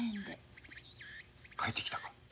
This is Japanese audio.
帰ってきたか。